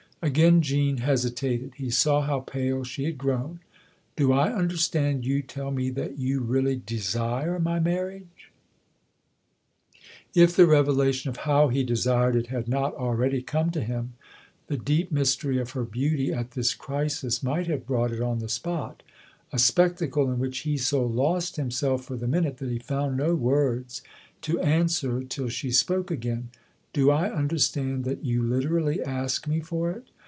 Again Jean hesitated : he saw how pale she had grown. "Do I understand you tell me that you really desire my marriage ?" If the revelation of how he desired it had not already come to him the deep mystery of her beauty at this crisis might have brought it on the spot a spectacle in which he so lost himself for the minute that he found no words to answer till she spoke again. " Do I understand that you literally ask me for it